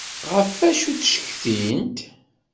Ɣef wacu d-ttcetkint?